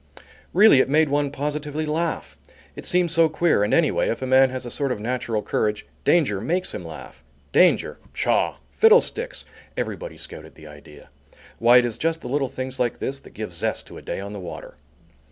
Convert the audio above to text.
Really, it made one positively laugh! It seemed so queer and, anyway, if a man has a sort of natural courage, danger makes him laugh. Danger! pshaw! fiddlesticks! everybody scouted the idea. Why, it is just the little things like this that give zest to a day on the water.